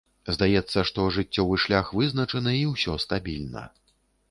Здаецца, што жыццёвы шлях вызначаны і усё стабільна.